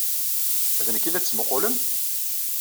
D nekk ay la d-tettmuqqulem?